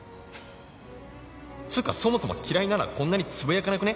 「つかそもそも嫌いならこんなに呟かなくね？